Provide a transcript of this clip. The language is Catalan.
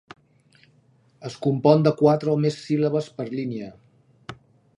Es compon de quatre o més síl·labes per línia.